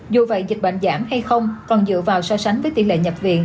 dù vậy dịch bệnh giảm hay không còn dựa vào so sánh với tỷ lệ nhập viện